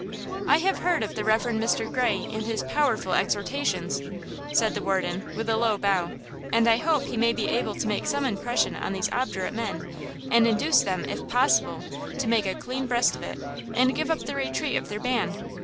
"I have heard of the Rev. Mr. Gray and his powerful exhortations," said the warden, with a low bow; "and I hope he may be able to make some impression on these obdurate men and induce them, if possible to 'make a clean breast of it,' and give up the retreat of their band.